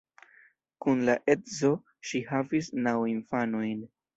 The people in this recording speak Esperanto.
Kun la edzo ŝi havis naŭ infanojn.